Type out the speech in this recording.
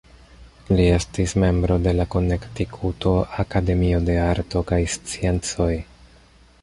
Li estis membro de la Konektikuto Akademio de Arto kaj Sciencoj.